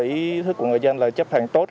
ý thức của người dân là chấp hành tốt